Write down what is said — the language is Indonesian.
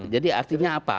jadi artinya apa